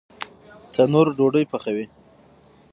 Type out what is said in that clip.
تندور ډوډۍ پخوي